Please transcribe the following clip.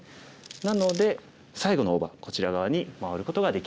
なので最後の大場こちら側に回ることができます。